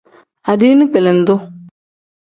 Adiini kpelendu.